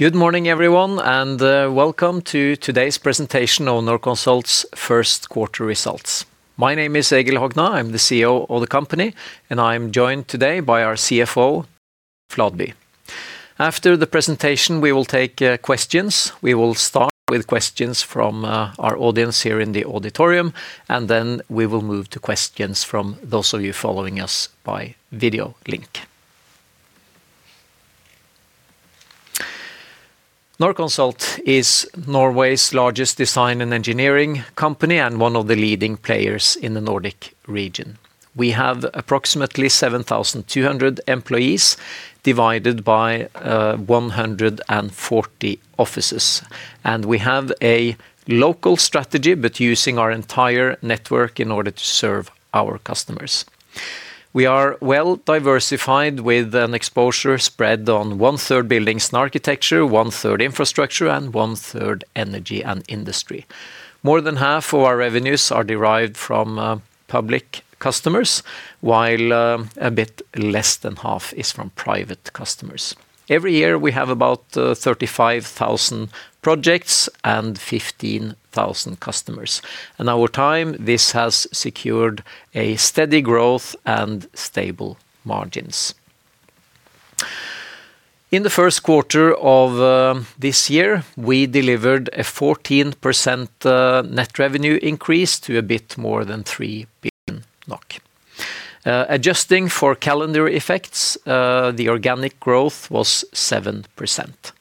Good morning, everyone, and welcome to today's presentation on Norconsult's first quarter results. My name is Egil Hogna. I'm the CEO of the company. I'm joined today by our CFO, Fladby. After the presentation, we will take questions. We will start with questions from our audience here in the auditorium, and then we will move to questions from those of you following us by video link. Norconsult is Norway's largest design and engineering company and one of the leading players in the Nordic region. We have approximately 7,200 employees, divided by 140 offices. We have a local strategy using our entire network in order to serve our customers. We are well-diversified with an exposure spread on 1/3 buildings and architecture, 1/3 infrastructure, 1/3 energy and industry. More than half of our revenues are derived from public customers, while a bit less than half is from private customers. Every year, we have about 35,000 projects and 15,000 customers. In our time, this has secured a steady growth and stable margins. In the first quarter of this year, we delivered a 14% net revenue increase to a bit more than 3 billion NOK. Adjusting for calendar effects, the organic growth was 7%.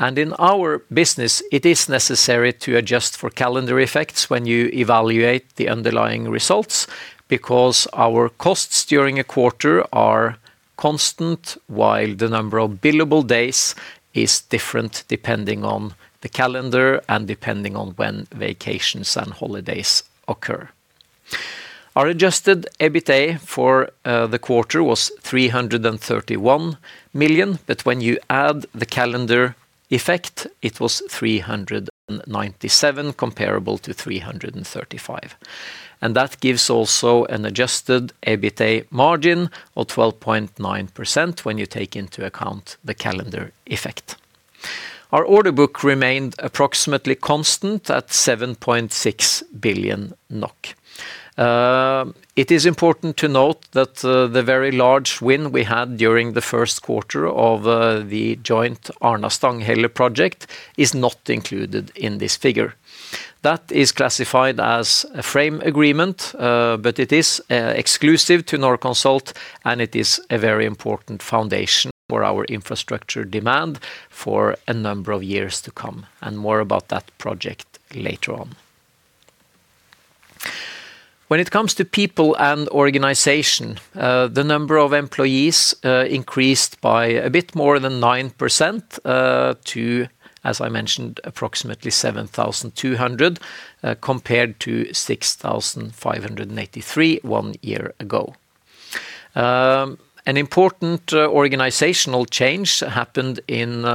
In our business, it is necessary to adjust for calendar effects when you evaluate the underlying results because our costs during a quarter are constant while the number of billable days is different depending on the calendar and depending on when vacations and holidays occur. Our adjusted EBITA for the quarter was 331 million, but when you add the calendar effect, it was 397 million, comparable to 335 million. That gives also an adjusted EBITA margin of 12.9% when you take into account the calendar effect. Our order book remained approximately constant at 7.6 billion NOK. It is important to note that the very large win we had during the first quarter of the joint Arna-Stanghelle project is not included in this figure. That is classified as a frame agreement, but it is exclusive to Norconsult, and it is a very important foundation for our infrastructure demand for a number of years to come, and more about that project later on. When it comes to people and organization, the number of employees increased by a bit more than 9%, to, as I mentioned, approximately 7,200, compared to 6,583 one year ago. An important organizational change happened in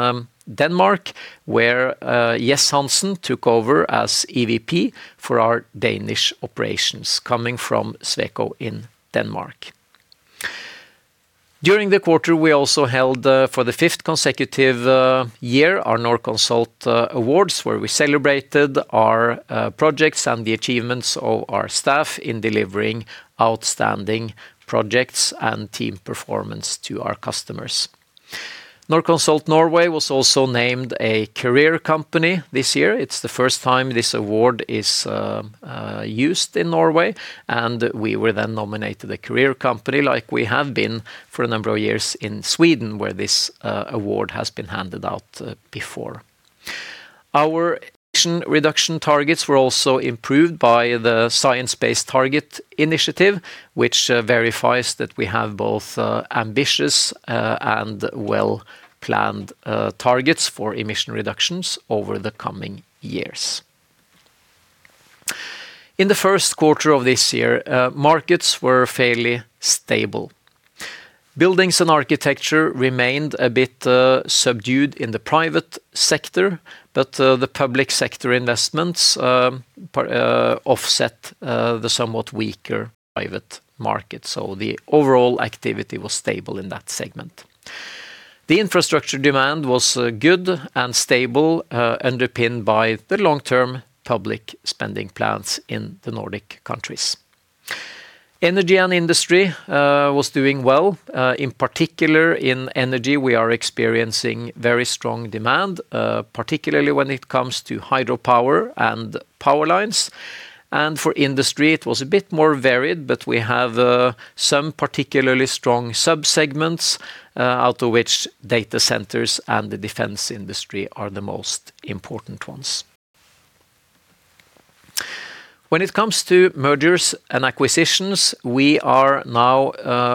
Denmark, where Jes Hansen took over as EVP for our Danish operations, coming from Sweco in Denmark. During the quarter, we also held, for the fifth consecutive year, our Norconsult Awards, where we celebrated our projects and the achievements of our staff in delivering outstanding projects and team performance to our customers. Norconsult Norway was also named a Career Company this year. It's the first time this award is used in Norway. We were then nominated a Career Company like we have been for a number of years in Sweden, where this award has been handed out before. Our emission reduction targets were also improved by the Science Based Targets initiative, which verifies that we have both ambitious and well-planned targets for emission reductions over the coming years. In the first quarter of this year, markets were fairly stable. Buildings and architecture remained a bit subdued in the private sector. The public sector investments offset the somewhat weaker private market. The overall activity was stable in that segment. The infrastructure demand was good and stable, underpinned by the long-term public spending plans in the Nordic countries. Energy and industry was doing well. In particular, in energy, we are experiencing very strong demand, particularly when it comes to hydropower and power lines. For industry, it was a bit more varied, but we have some particularly strong sub-segments, out of which data centers and the defense industry are the most important ones. When it comes to mergers and acquisitions, we are now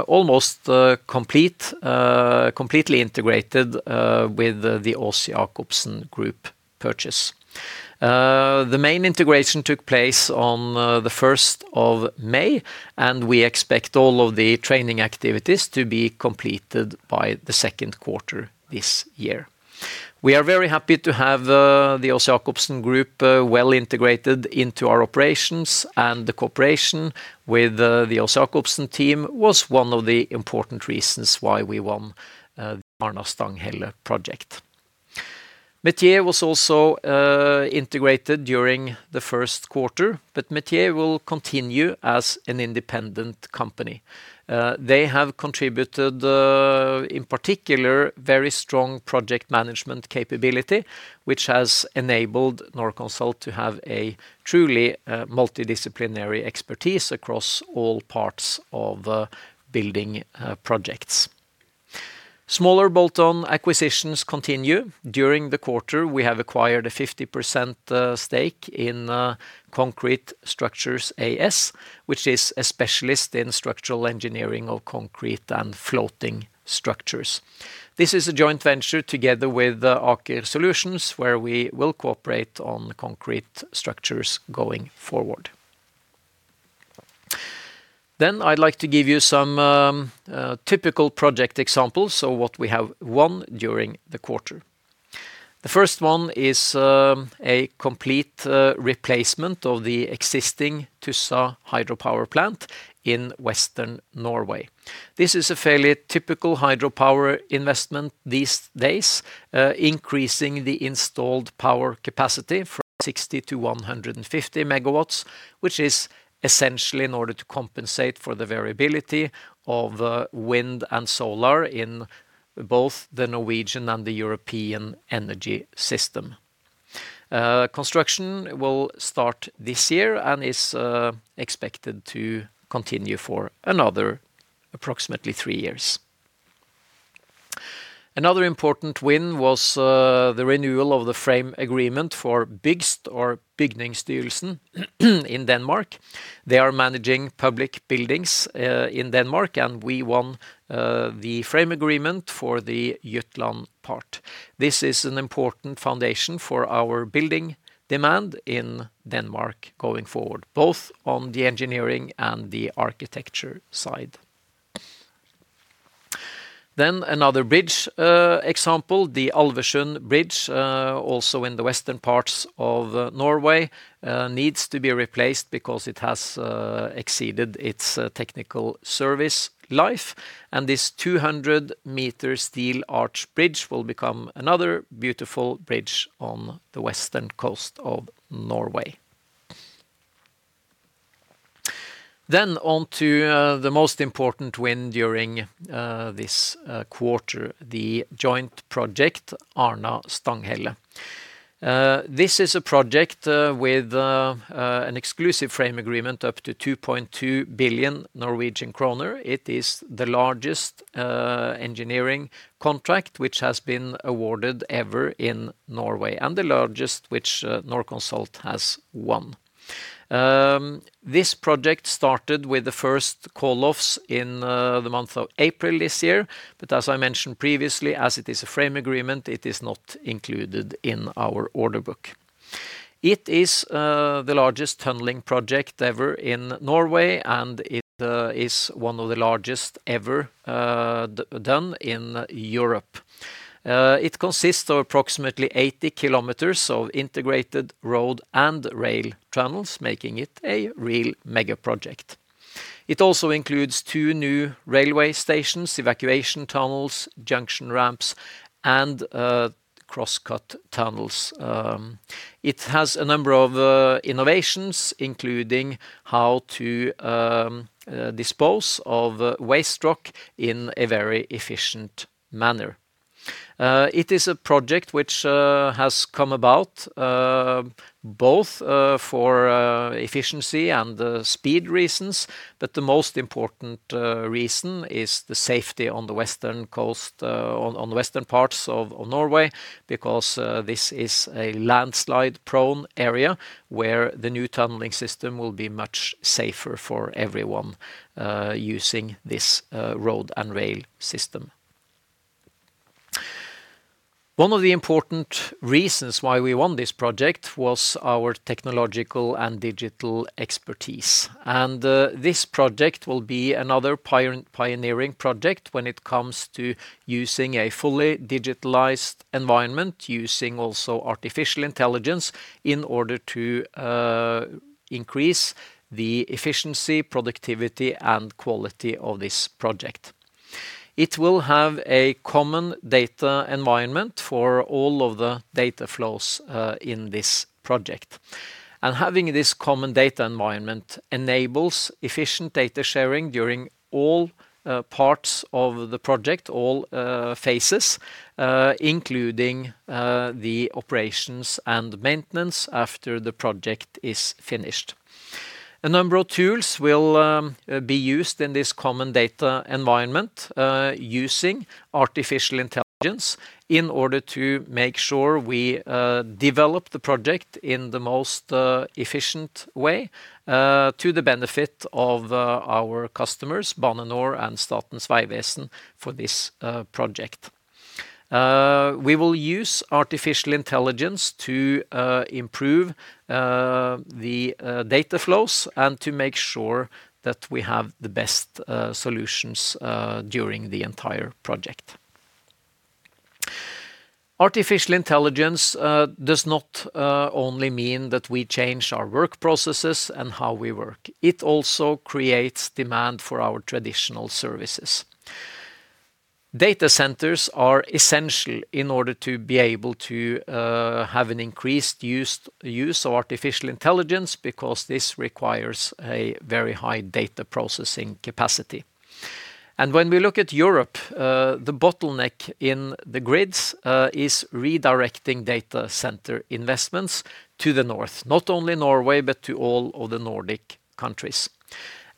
almost completely integrated with the Aas-Jakobsen Group purchase. The main integration took place on the 1st of May, and we expect all of the training activities to be completed by the second quarter this year. We are very happy to have the Aas-Jakobsen Group well integrated into our operations, and the cooperation with the Aas-Jakobsen team was one of the important reasons why we won the Arna-Stanghelle project. Metier was also integrated during the first quarter, but Metier will continue as an independent company. They have contributed in particular, very strong project management capability, which has enabled Norconsult to have a truly multidisciplinary expertise across all parts of building projects. Smaller bolt-on acquisitions continue. During the quarter, we have acquired a 50% stake in Concrete Structures AS, which is a specialist in structural engineering of concrete and floating structures. This is a joint venture together with Aker Solutions, where we will cooperate on concrete structures going forward. Then I'd like to give you some typical project examples, so what we have won during the quarter. The first one is a complete replacement of the existing Tussa hydropower plant in Western Norway. This is a fairly typical hydropower investment these days, increasing the installed power capacity from 60 MW to 150 MW, which is essentially in order to compensate for the variability of wind and solar in both the Norwegian and the European energy system. Construction will start this year and is expected to continue for another approximately three years. Another important win was the renewal of the frame agreement for BYGST or Bygningsstyrelsen in Denmark. They are managing public buildings in Denmark, and we won the frame agreement for the Jutland part. This is an important foundation for our building demand in Denmark going forward, both on the engineering and the architecture side. Another bridge example, the Alversund Bridge, also in the western parts of Norway, needs to be replaced because it has exceeded its technical service life, and this 200 m steel arch bridge will become another beautiful bridge on the Western Coast of Norway. On to the most important win during this quarter, the joint project, Arna-Stanghelle. This is a project with an exclusive frame agreement up to 2.2 billion Norwegian kroner. It is the largest engineering contract which has been awarded ever in Norway and the largest which Norconsult has won. This project started with the first call-offs in the month of April this year. As I mentioned previously, as it is a frame agreement, it is not included in our order book. It is the largest tunneling project ever in Norway, and it is one of the largest ever done in Europe. It consists of approximately 80 km of integrated road and rail tunnels, making it a real mega project. It also includes two new railway stations, evacuation tunnels, junction ramps, and cross-cut tunnels. It has a number of innovations, including how to dispose of waste rock in a very efficient manner. It is a project which has come about both for efficiency and speed reasons. The most important reason is the safety on the Western Coast, on the western parts of Norway, because this is a landslide prone area where the new tunneling system will be much safer for everyone using this road and rail system. One of the important reasons why we won this project was our technological and digital expertise. This project will be another pioneering project when it comes to using a fully digitalized environment, using also artificial intelligence in order to increase the efficiency, productivity, and quality of this project. It will have a common data environment for all of the data flows in this project. Having this common data environment enables efficient data sharing during all parts of the project, all phases, including the operations and maintenance after the project is finished. A number of tools will be used in this common data environment, using artificial intelligence in order to make sure we develop the project in the most efficient way, to the benefit of our customers, Bane NOR and Statens vegvesen, for this project. We will use artificial intelligence to improve the data flows and to make sure that we have the best solutions during the entire project. Artificial intelligence does not only mean that we change our work processes and how we work. It also creates demand for our traditional services. Data centers are essential in order to be able to have an increased use of artificial intelligence because this requires a very high data processing capacity. When we look at Europe, the bottleneck in the grids is redirecting data center investments to the North, not only Norway, but to all of the Nordic countries.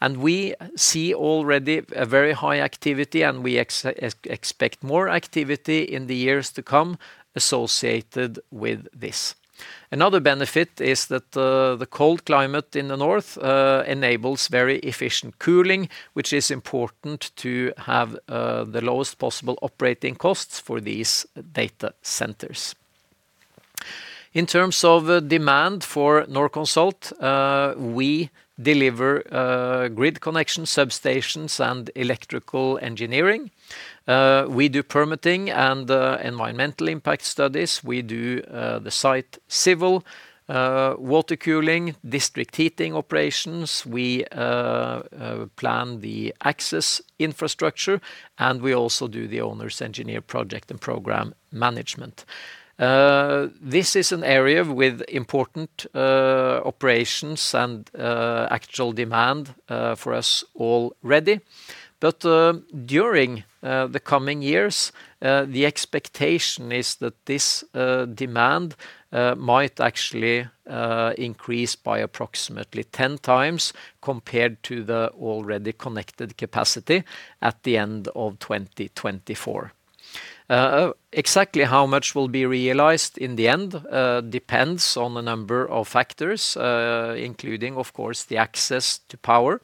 We see already a very high activity, and we expect more activity in the years to come associated with this. Another benefit is that the cold climate in the North enables very efficient cooling, which is important to have the lowest possible operating costs for these data centers. In terms of demand for Norconsult, we deliver grid connection substations and electrical engineering. We do permitting and environmental impact studies. We do the site civil, water cooling, district heating operations. We plan the access infrastructure, and we also do the owner's engineer project and program management. This is an area with important operations and actual demand for us already. During the coming years, the expectation is that this demand might actually increase by approximately 10x compared to the already connected capacity at the end of 2024. Exactly how much will be realized in the end depends on a number of factors, including, of course, the access to power.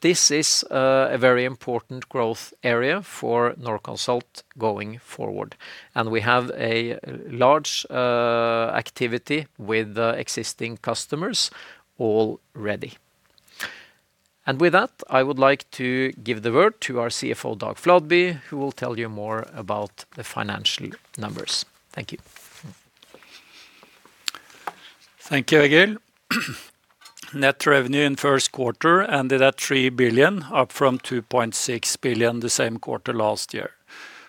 This is a very important growth area for Norconsult going forward, and we have a large activity with the existing customers already. With that, I would like to give the word to our CFO, Dag Fladby, who will tell you more about the financial numbers. Thank you. Thank you, Egil. Net revenue in first quarter ended at 3 billion, up from 2.6 billion the same quarter last year.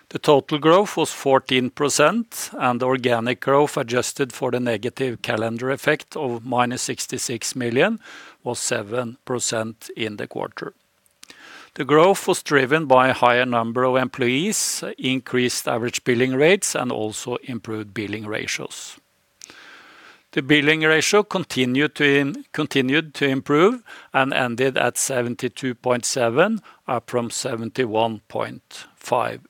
The total growth was 14% and organic growth adjusted for the negative calendar effect of -66 million was 7% in the quarter. The growth was driven by higher number of employees, increased average billing rates and also improved billing ratios. The billing ratio continued to improve and ended at 72.7, up from 71.5.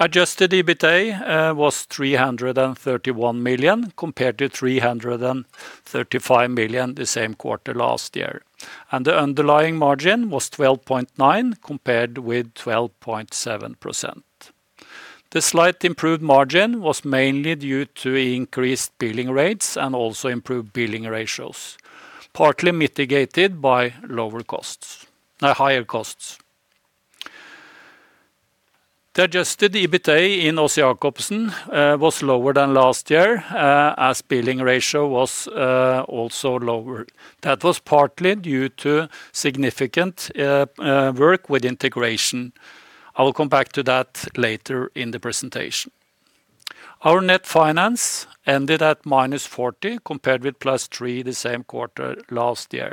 Adjusted EBITA was 331 million compared to 335 million the same quarter last year. The underlying margin was 12.9% compared with 12.7%. The slight improved margin was mainly due to increased billing rates and also improved billing ratios, partly mitigated by higher costs. The adjusted EBITA in Aas-Jakobsen was lower than last year, as billing ratio was also lower. That was partly due to significant work with integration. I will come back to that later in the presentation. Our net finance ended at -40 million compared with +3 billion the same quarter last year.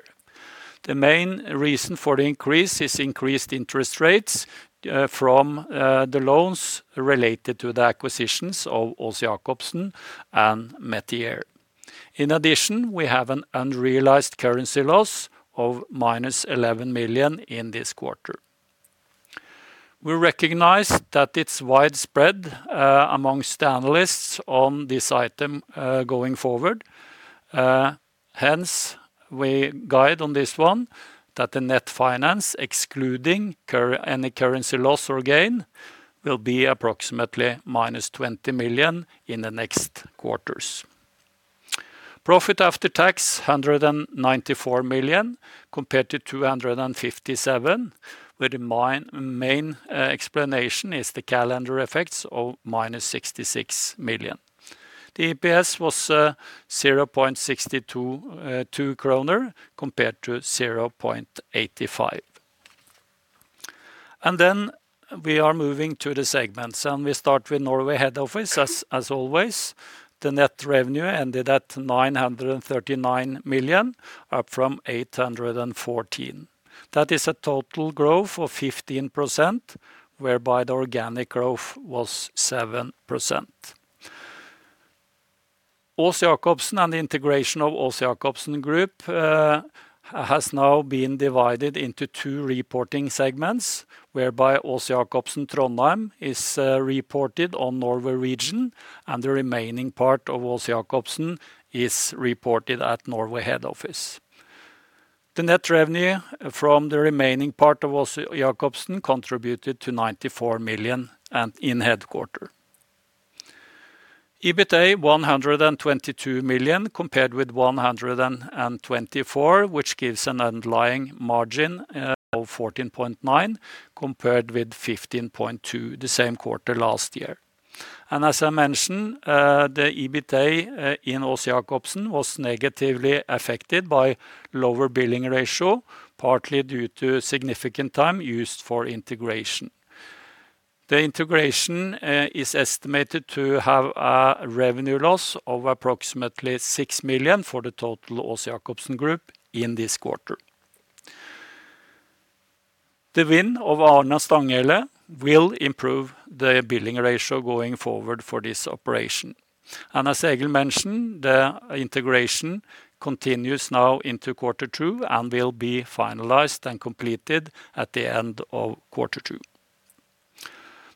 The main reason for the increase is increased interest rates from the loans related to the acquisitions of Aas-Jakobsen and Metier. In addition, we have an unrealized currency loss of -11 million in this quarter. We recognize that it's widespread amongst analysts on this item going forward. Hence, we guide on this one that the net finance, excluding any currency loss or gain, will be approximately -20 million in the next quarters. Profit after tax, 194 million compared to 257 million, with the main explanation is the calendar effects of -66 million. The EPS was 0.62 kroner compared to 0.85. We are moving to the segments, we start with Norway Head Office as always. The net revenue ended at 939 million, up from 814 million. That is a total growth of 15%, whereby the organic growth was 7%. Aas-Jakobsen and the integration of Aas-Jakobsen Group has now been divided into two reporting segments, whereby Aas-Jakobsen Trondheim is reported on Norway Regions and the remaining part of Aas-Jakobsen is reported at Norway Head Office. The net revenue from the remaining part of Aas-Jakobsen contributed to 94 million and in headquarter. EBITA 122 million compared with 124 million, which gives an underlying margin of 14.9% compared with 15.2% the same quarter last year. As I mentioned, the EBITA in Aas-Jakobsen was negatively affected by lower billing ratio, partly due to significant time used for integration. The integration is estimated to have a revenue loss of approximately 6 million for the total Aas-Jakobsen Group in this quarter. The win of Arna-Stanghelle will improve the billing ratio going forward for this operation. As Egil mentioned, the integration continues now into quarter two and will be finalized and completed at the end of quarter two.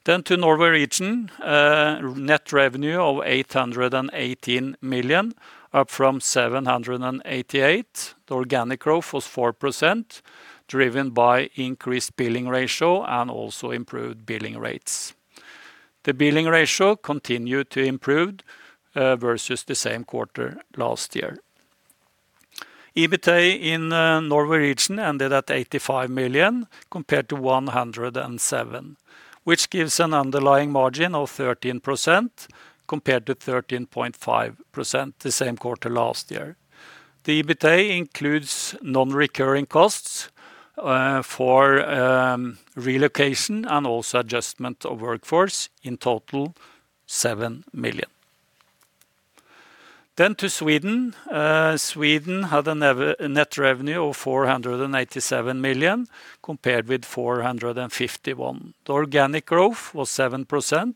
To Norway Regions. Net revenue of 818 million, up from 788 million. The organic growth was 4%, driven by increased billing ratio and also improved billing rates. The billing ratio continued to improve versus the same quarter last year. EBITA in Norway Regions ended at 85 million, compared to 107 million, which gives an underlying margin of 13%, compared to 13.5% the same quarter last year. The EBITA includes non-recurring costs for relocation and also adjustment of workforce, in total 7 million. To Sweden. Sweden had a net revenue of 487 million compared with 451 million. The organic growth was 7%,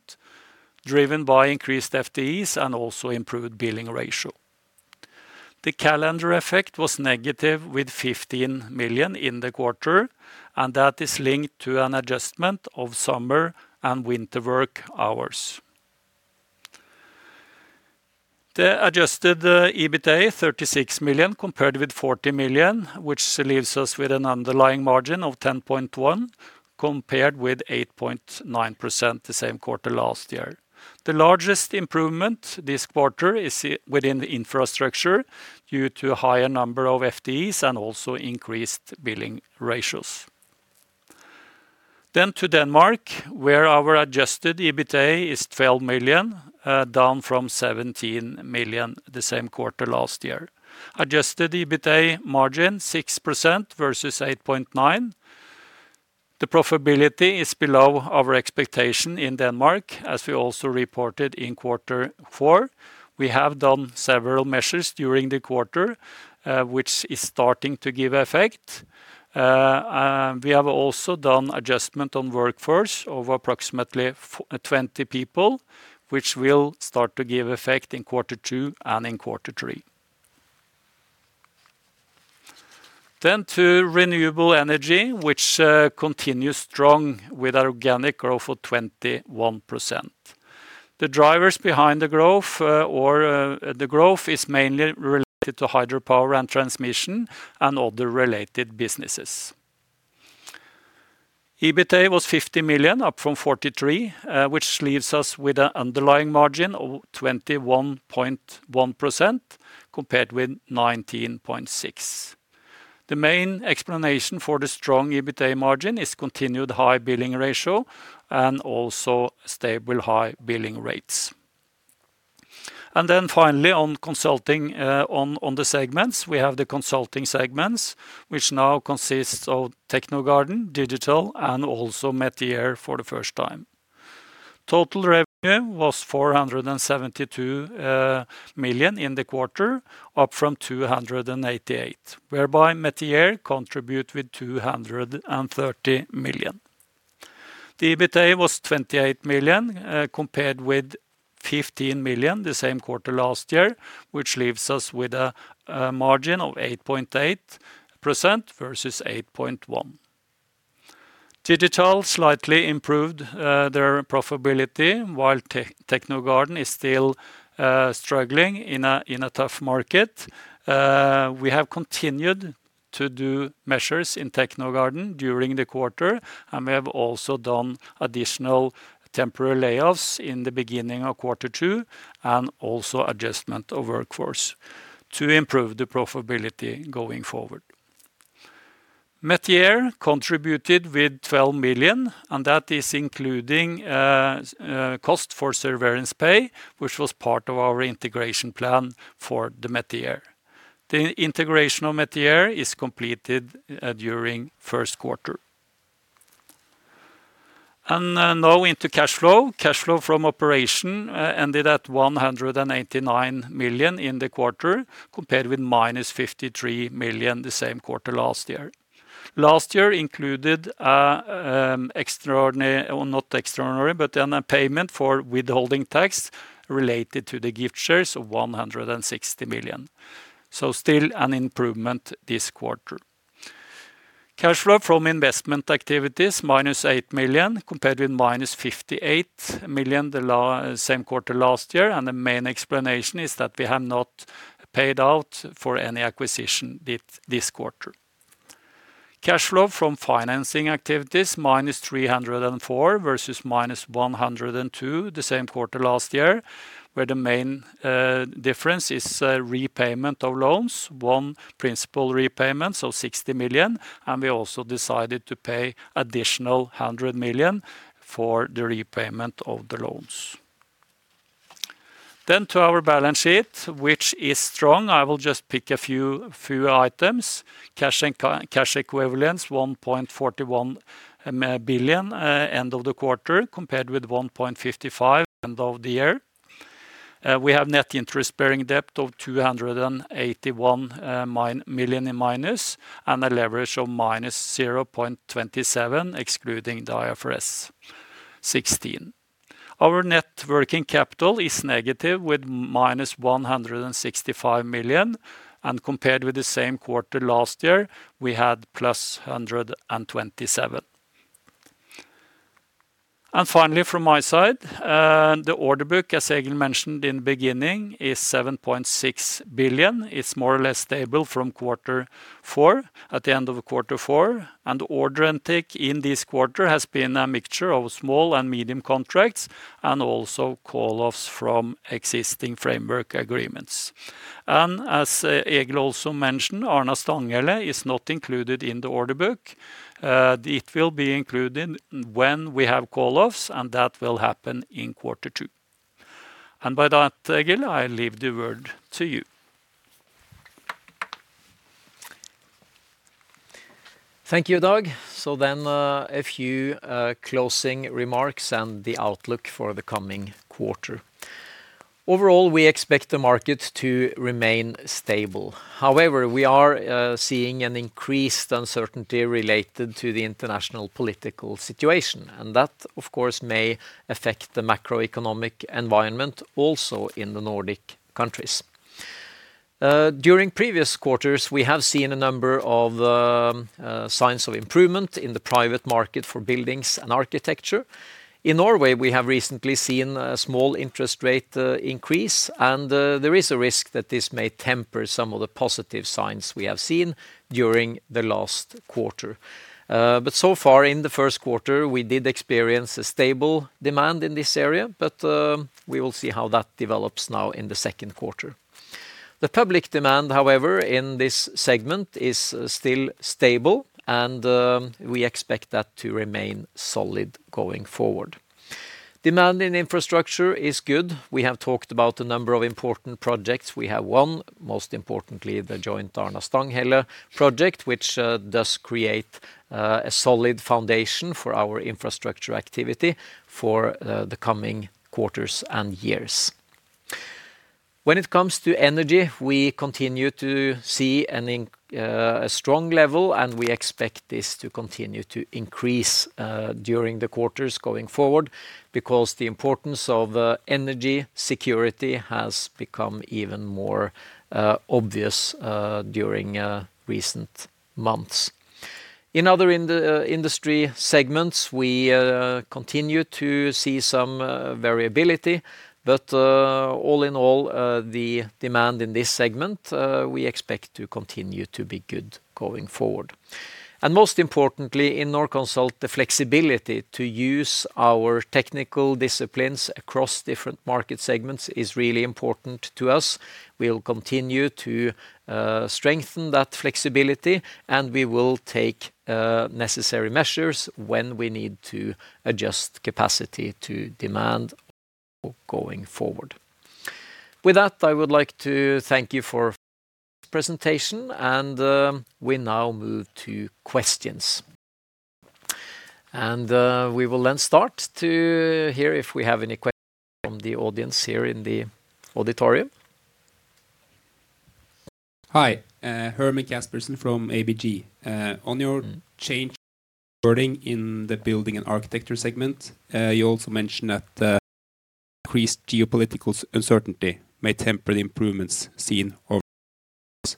driven by increased FTEs and also improved billing ratio. The calendar effect was negative with 15 million in the quarter, and that is linked to an adjustment of summer and winter work hours. The adjusted EBITA, 36 million compared with 40 million, which leaves us with an underlying margin of 10.1%, compared with 8.9% the same quarter last year. The largest improvement this quarter is within the infrastructure due to a higher number of FTEs and also increased billing ratios. To Denmark, where our adjusted EBITA is 12 million, down from 17 million the same quarter last year. Adjusted EBITA margin 6% versus 8.9%. The profitability is below our expectation in Denmark, as we also reported in quarter four. We have done several measures during the quarter, which is starting to give effect. We have also done adjustment on workforce of approximately 20 people, which will start to give effect in quarter two and in quarter three. To renewable energy, which continues strong with our organic growth of 21%. The drivers behind the growth, the growth is mainly related to hydropower and transmission and other related businesses. EBITA was 50 million, up from 43 million, which leaves us with an underlying margin of 21.1% compared with 19.6%. The main explanation for the strong EBITA margin is continued high billing ratio and also stable high billing rates. Finally, on consulting, on the segments, we have the consulting segments, which now consists of Technogarden, Digital, and also Metier for the first time. Total revenue was 472 million in the quarter, up from 288 million, whereby Metier contribute with 230 million. The EBITA was 28 million, compared with 15 million the same quarter last year, which leaves us with a margin of 8.8% versus 8.1%. Digital slightly improved their profitability, while Technogarden is still struggling in a tough market. We have continued to do measures in Technogarden during the quarter, and we have also done additional temporary layoffs in the beginning of quarter two and also adjustment of workforce to improve the profitability going forward. Metier contributed with 12 million, and that is including cost for severance pay, which was part of our integration plan for the Metier. The integration of Metier is completed during first quarter. Now into cash flow. Cash flow from operation ended at 189 million in the quarter, compared with -53 million the same quarter last year. Last year included a payment for withholding tax related to the gift shares of 160 million. Still an improvement this quarter. Cash flow from investment activities -8 million, compared with -58 million the same quarter last year. The main explanation is that we have not paid out for any acquisition this quarter. Cash flow from financing activities -304 million versus -102 million the same quarter last year, where the main difference is a repayment of loans, one principal repayment, so 60 million, and we also decided to pay additional 100 million for the repayment of the loans. To our balance sheet, which is strong. I will just pick a few items. Cash and cash equivalents 1.41 billion end of the quarter, compared with 1.55 billion end of the year. We have net interest-bearing debt of -281 million and a leverage of -0.27, excluding the IFRS 16. Our net working capital is negative with -165 million, and compared with the same quarter last year, we had +127 million. Finally, from my side, the order book, as Egil mentioned in the beginning, is 7.6 billion. It's more or less stable from quarter four, at the end of quarter four, and order intake in this quarter has been a mixture of small and medium contracts and also call-offs from existing framework agreements. As Egil also mentioned, Arna-Stanghelle is not included in the order book. It will be included when we have call-offs, and that will happen in quarter two. By that, Egil, I leave the word to you. Thank you, Dag. A few closing remarks and the outlook for the coming quarter. Overall, we expect the market to remain stable. However, we are seeing an increased uncertainty related to the international political situation, and that, of course, may affect the macroeconomic environment also in the Nordic countries. During previous quarters, we have seen a number of signs of improvement in the private market for buildings and architecture. In Norway, we have recently seen a small interest rate increase, and there is a risk that this may temper some of the positive signs we have seen during the last quarter. So far in the first quarter, we did experience a stable demand in this area, but we will see how that develops now in the second quarter. The public demand, however, in this segment is still stable, and we expect that to remain solid going forward. Demand in infrastructure is good. We have talked about a number of important projects. We have one, most importantly, the joint Arna-Stanghelle project, which does create a solid foundation for our infrastructure activity for the coming quarters and years. When it comes to energy, we continue to see a strong level, and we expect this to continue to increase during the quarters going forward because the importance of energy security has become even more obvious during recent months. In other industry segments, we continue to see some variability, but all in all, the demand in this segment, we expect to continue to be good going forward. Most importantly, in Norconsult, the flexibility to use our technical disciplines across different market segments is really important to us. We will continue to strengthen that flexibility, and we will take necessary measures when we need to adjust capacity to demand going forward. With that, I would like to thank you for this presentation and we now move to questions. We will then start to hear if we have any questions from the audience here in the auditorium. Hi, Herman Caspersen from ABG. On your change in earning in the building and architecture segment, you also mentioned that increased geopolitical uncertainty may temper the improvements seen over the past years.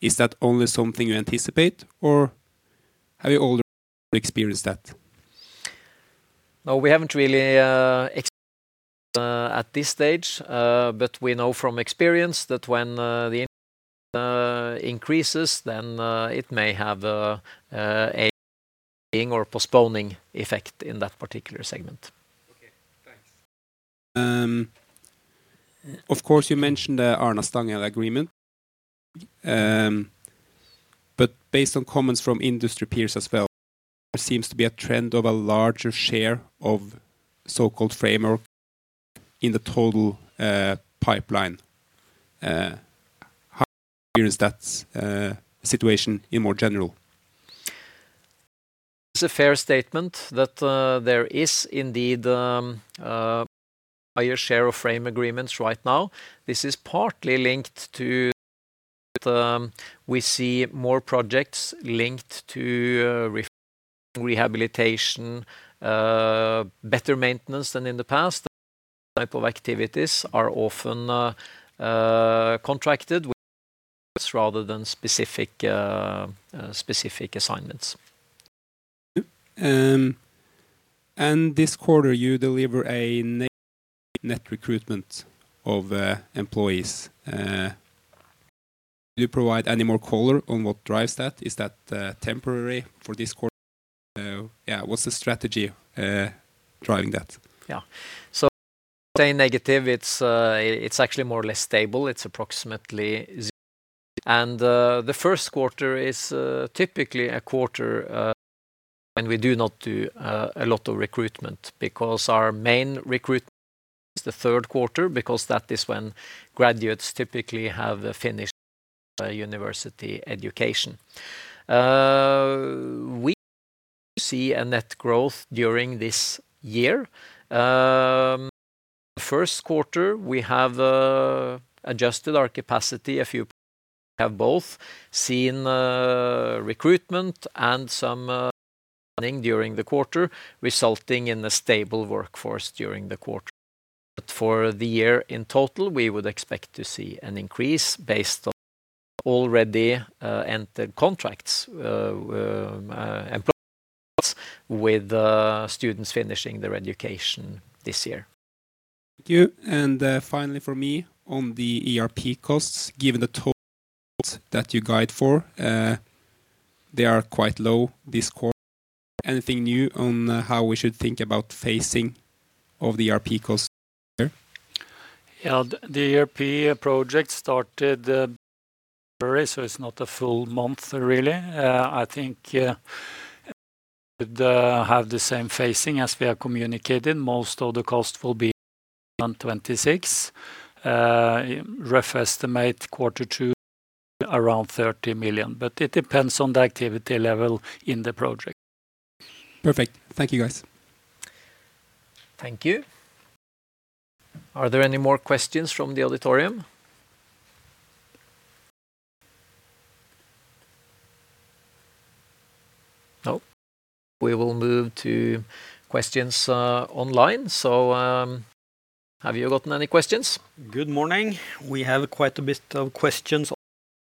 Is that only something you anticipate or have you already experienced that? We haven't really experienced that at this stage, but we know from experience that when the uncertainty increases, then it may have a delaying or postponing effect in that particular segment. Okay. Thanks. Of course, you mentioned the Arna-Stanghelle agreement. Based on comments from industry peers as well, there seems to be a trend of a larger share of so-called framework in the total pipeline. How do you experience that situation in more general? It's a fair statement that, there is indeed, a higher share of frame agreements right now. This is partly linked to the fact that, we see more projects linked to, refurbishing, rehabilitation, better maintenance than in the past. These type of activities are often, contracted with framework agreements rather than specific assignments. Thank you. This quarter you deliver a negative net recruitment of employees. Can you provide any more color on what drives that? Is that temporary for this quarter? What's the strategy driving that? Yeah. When I say negative, it's actually more or less stable. It's approximately zero. The first quarter is typically a quarter. We do not do a lot of recruitment because our main recruitment is the third quarter because that is when graduates typically have finished their university education. We do see a net growth during this year. The first quarter we have adjusted our capacity. A few projects. We have both seen recruitment and some planning during the quarter, resulting in a stable workforce during the quarter. For the year in total, we would expect to see an increase based on already entered contracts, employment contracts with students finishing their education this year. Thank you. Finally from me on the ERP costs. Given the total costs that you guide for, they are quite low this quarter. Anything new on how we should think about phasing of the ERP costs this year? Yeah. The ERP project started in February, so it's not a full month really. I think we should have the same phasing as we have communicated. Most of the cost will be in 2026. Rough estimate quarter two around 30 million. It depends on the activity level in the project. Perfect. Thank you, guys. Thank you. Are there any more questions from the auditorium? No. We will move to questions online. Have you gotten any questions? Good morning. We have quite a bit of questions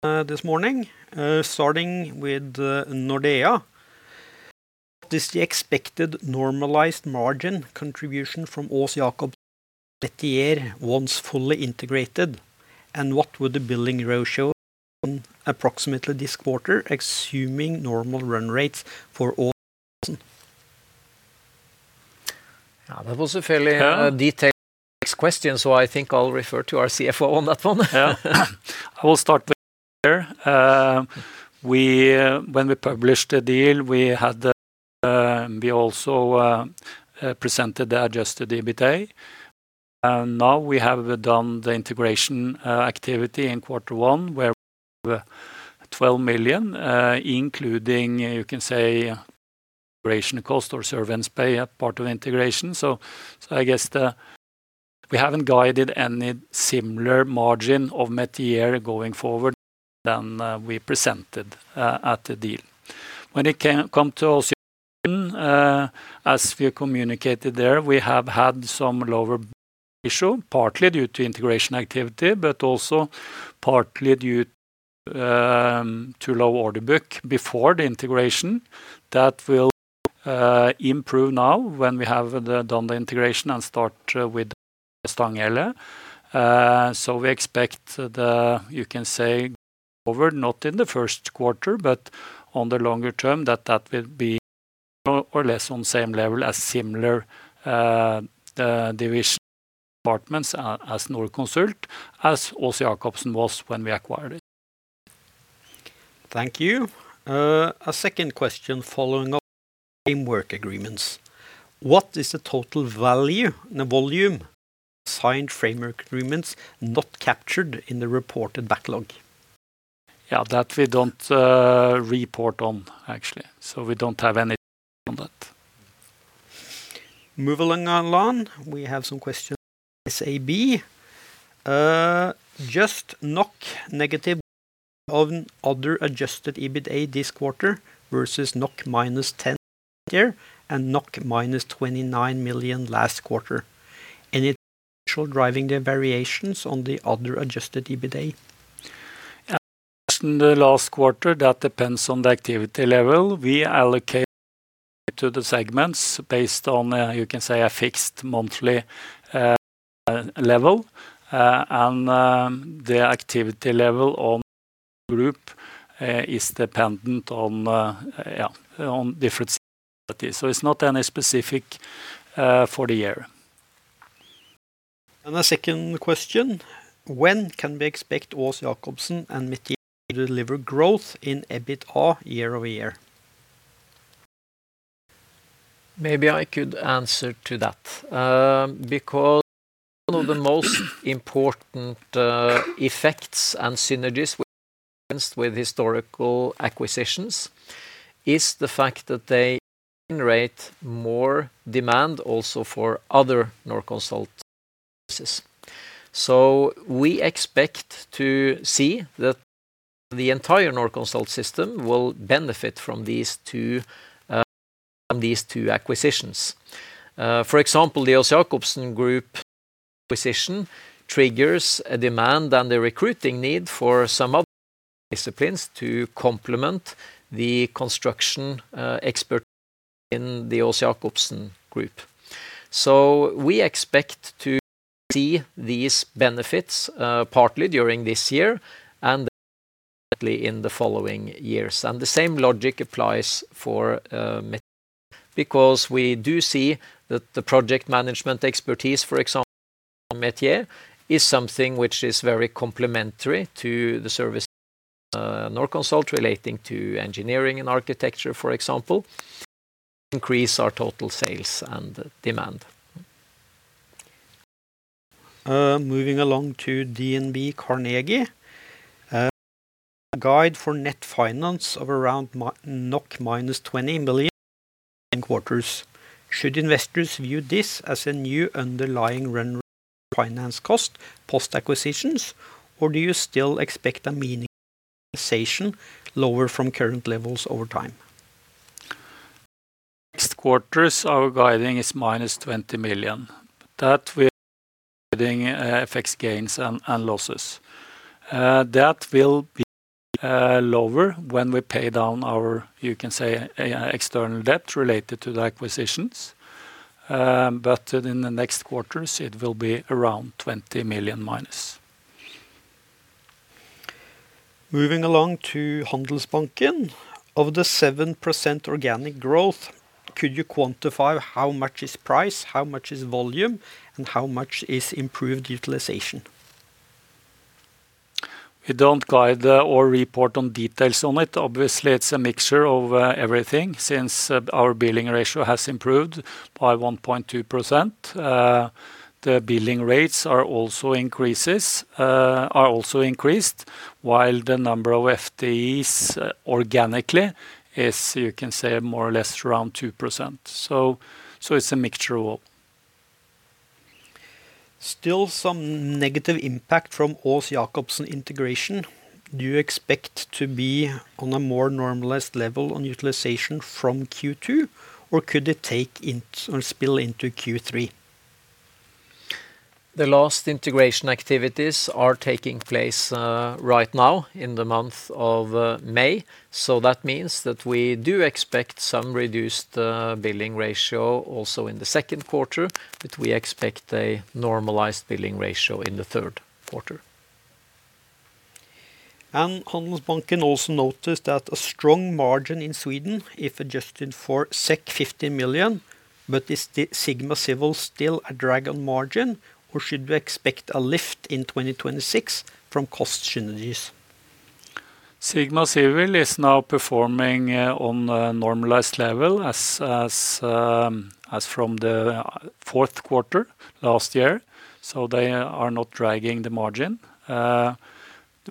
online this morning. Starting with Nordea. What is the expected normalized margin contribution from Aas-Jakobsen and Metier once fully integrated? What would the billing ratio be on approximately this quarter, assuming normal run rates for Aas-Jakobsen? Yeah, that was a fairly detailed and complex question, so I think I'll refer to our CFO on that one. Yeah. I will start with Metier. When we published the deal, we had the, we also presented the adjusted EBITA. Now we have done the integration activity in quarter one where we have 12 million, including, you know, you can say integration cost or severance pay a part of integration. I guess we haven't guided any similar margin of Metier going forward than we presented at the deal. When it come to Aas-Jakobsen, as we have communicated there, we have had some lower billing ratio, partly due to integration activity, but also partly due to too low order book before the integration. That will improve now when we have done the integration and start with the project at Stanghelle. We expect the, you can say going forward, not in the first quarter, but on the longer term that that will be more or less on the same level as similar divisions and departments as Norconsult as Aas-Jakobsen was when we acquired it. Thank you. A second question following up on framework agreements. What is the total value and the volume of signed framework agreements not captured in the reported backlog? Yeah. That we don't report on actually. We don't have anything on that. Move along online. We have some questions on SAB. Just NOK -1 million of other adjusted EBITA this quarter versus -10 million for Metier and -29 million last quarter. Any trends or drivers driving the variations on the other adjusted EBITA? As mentioned the last quarter, that depends on the activity level. We allocate the EBITA to the segments based on, you can say a fixed monthly level. The activity level on the group is dependent on different strategies. It's not any specific for the year. A second question. When can we expect Aas-Jakobsen and Metier to deliver growth in EBITA year-over-year? Maybe I could answer to that. Because one of the most important effects and synergies we have experienced with historical acquisitions is the fact that they generate more demand also for other Norconsult services. We expect to see that the entire Norconsult system will benefit from these two from these two acquisitions. For example, the Aas-Jakobsen Group acquisition triggers a demand and a recruiting need for some other disciplines to complement the construction expertise in the Aas-Jakobsen Group. We expect to see these benefits partly during this year and then more permanently in the following years. The same logic applies for Metier because we do see that the project management expertise, for example on Metier is something which is very complementary to the services, Norconsult relating to engineering and architecture, for example, increase our total sales and demand. Moving along to DNB Carnegie. Guide for net finance of around -20 million in quarters. Should investors view this as a new underlying run rate for finance cost, post-acquisitions, or do you still expect a meaningful realization lower from current levels over time? Next quarters, our guiding is -20 million. That will, including FX gains and losses. That will be lower when we pay down our, you can say, external debt related to the acquisitions. In the next quarters, it will be around -20 million. Moving along to Handelsbanken. Of the 7% organic growth, could you quantify how much is price, how much is volume, and how much is improved utilization? We don't guide or report on details on it. Obviously, it's a mixture of everything since our billing ratio has improved by 1.2%. The billing rates are also increased, while the number of FTEs organically is, you can say, more or less around 2%. It's a mixture of all. Still some negative impact from Aas-Jakobsen integration. Do you expect to be on a more normalized level on utilization from Q2, or could it spill into Q3? The last integration activities are taking place right now in the month of May. That means that we do expect some reduced billing ratio also in the second quarter, but we expect a normalized billing ratio in the third quarter. Handelsbanken also noticed that a strong margin in Sweden, if adjusted for 15 million. Is the Sigma Civil still a drag on margin, or should we expect a lift in 2026 from cost synergies? Sigma Civil is now performing on a normalized level as from the fourth quarter last year, so they are not dragging the margin.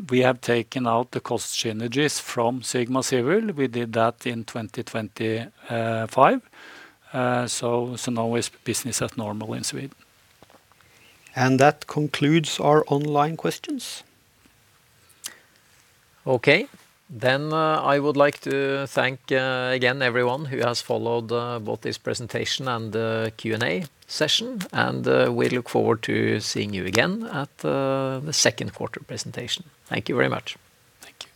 We have taken out the cost synergies from Sigma Civil. We did that in 2025. Now it's business as normal in Sweden. That concludes our online questions. Okay. I would like to thank again everyone who has followed both this presentation and Q&A session. We look forward to seeing you again at the second quarter presentation. Thank you very much. Thank you.